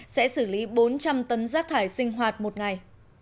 sẽ xử lý bốn trăm linh tấn rác thải sinh hoạt một ngày